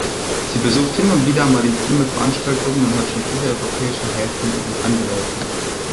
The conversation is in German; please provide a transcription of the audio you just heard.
Sie besucht hin und wieder maritime Veranstaltungen und hat schon viele europäische Häfen angelaufen.